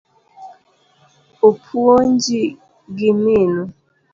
Opuonji gi minu?